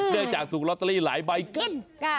เนื่องจากถูกลอตเตอรี่หลายใบเกิน